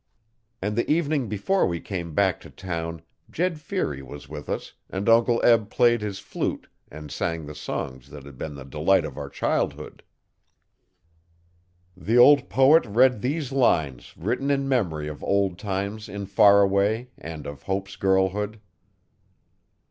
And the evening before we came back to town Jed Feary was with us and Uncle Eb played his flute and sang the songs that had been the delight of our childhood. The old poet read these lines written in memory of old times in Faraway and of Hope's girlhood.